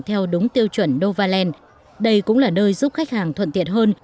theo đúng tiêu chuẩn novaland đây cũng là nơi giúp khách hàng thuận tiện hơn